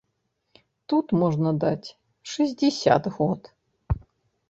Тут можна даць шэсцьдзесят год.